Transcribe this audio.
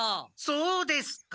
そうですか。